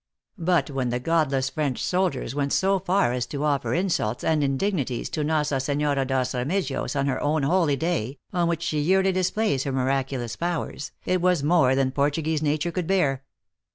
But when the godless THE ACTEESS IN HIGH LIFE. 133 French soldiers went so far as to offer insults and in dignities to Nossa Senhora dos Remedios on her own holy day, on which she yearly "displays her miracu lous powers, it was more than Portuguese nature could bear.